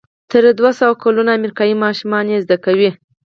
تر دوهسوه کلونو امریکایي ماشومان یې زده کوي.